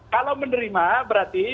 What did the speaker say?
kalau menerima berarti